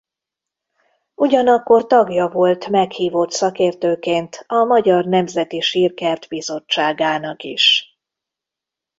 Ugyanakkor tagja volt meghívott szakértőként a Magyar Nemzeti Sírkert Bizottságának is.